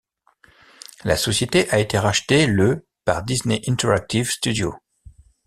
La société a été rachetée le par Disney Interactive Studios.